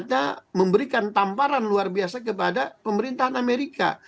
itu ternyata memberikan tamparan luar biasa kepada pemerintahan amerika